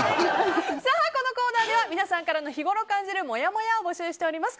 このコーナーでは皆さんからの日ごろ感じるもやもやを募集しております。